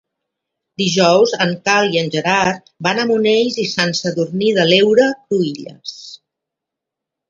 Dijous en Cai i en Gerard van a Monells i Sant Sadurní de l'Heura Cruïlles.